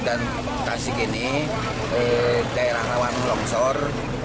dan tasik ini daerah rawan longsor